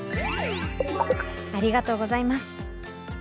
ありがとうございます！